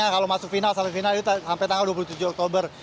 kalau masuk final sama final itu sampai tanggal dua puluh tujuh oktober